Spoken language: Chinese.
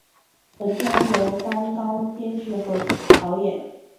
本片由担纲编剧和导演。